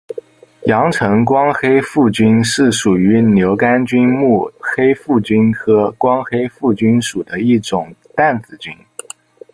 阳城光黑腹菌是属于牛肝菌目黑腹菌科光黑腹菌属的一种担子菌。